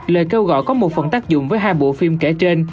lời kêu gọi có một phần tác dụng với hai bộ phim kể trên